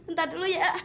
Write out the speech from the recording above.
ntar dulu ya